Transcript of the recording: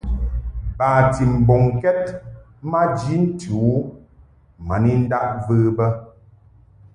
Bati mbɔŋkɛd maji ntɨ u ma ni ndaʼ və bə.